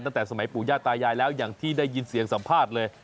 ตั้งแต่สมัยปู่ย่าตายายแล้วอย่างที่ได้ยินเสียงสัมภาษณ์เลย